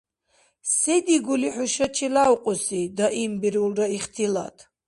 — Се дигули хӀушачи лявкьуси? — даимбирулра ихтилат.